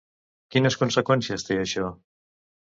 Quines conseqüències té això?